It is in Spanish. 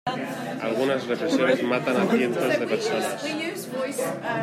Algunas represiones matan a cientos de personas.